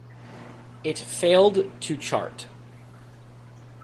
It failed to chart.